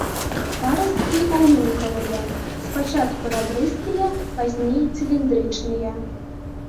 Парасткі аліўкавыя, спачатку рабрыстыя, пазней цыліндрычныя.